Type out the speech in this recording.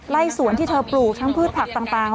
สวนที่เธอปลูกทั้งพืชผักต่าง